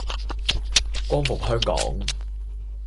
光復香港